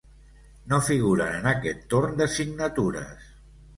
No figuren en aquest torn de signatures.